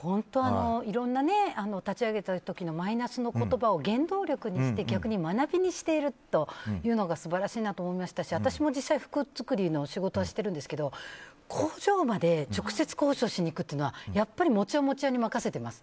いろんな立ち上げた時のマイナスの言葉を原動力にして逆に学びにしているというのが素晴らしいなと思いましたし私も実際、服作りの仕事しているんですけど工場まで直接交渉しに行くというのは私は任せています。